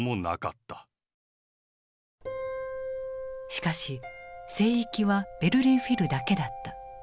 しかし聖域はベルリン・フィルだけだった。